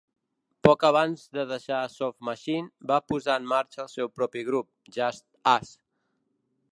Poc abans de deixar Soft Machine va posar en marxa el seu propi grup, Just Us.